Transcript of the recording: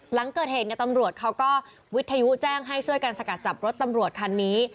หลังเกิดเหตุตำรวจเขาก็วิทยุแจ้งให้ช่วยกันสกัดจับรถตำรวจคันนี้